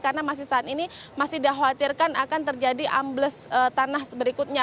karena masih saat ini masih dikhawatirkan akan terjadi ambles tanah berikutnya